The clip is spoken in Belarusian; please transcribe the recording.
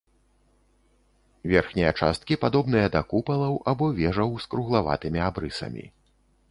Верхнія часткі падобныя да купалаў або вежаў з круглаватымі абрысамі.